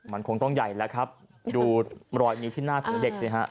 มันคงต้องใหญ่แล้วครับดูรอยอยู่ข้างหน้าเด็กสิฮะ